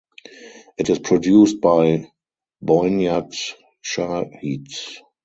It is produced by Bonyad Shahid.